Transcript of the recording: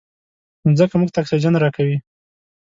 مځکه موږ ته اکسیجن راکوي.